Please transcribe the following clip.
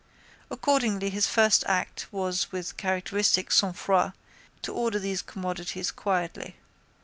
Accordingly his first act was with characteristic sangfroid to order these commodities quietly.